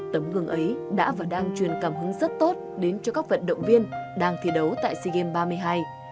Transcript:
tấm gương ấy đã và đang truyền cảm hứng rất tốt đến cho các vận động viên đang thi đấu tại sea games ba mươi hai